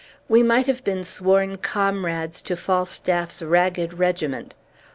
We might have been sworn comrades to Falstaff's ragged regiment.